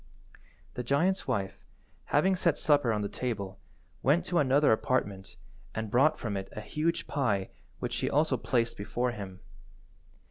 The giant's wife, having set supper on the table, went to another apartment and brought from it a huge pie which she also placed before him.